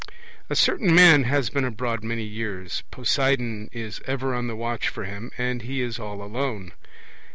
A certain man has been abroad many years; Poseidon is ever on the watch for him, and he is all alone.